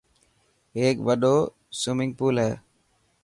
هيڪ وڏو سومنگپول هي.